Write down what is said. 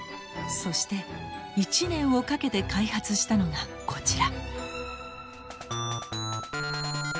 そして１年をかけて開発したのがこちら。